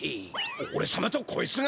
おれさまとこいつが！？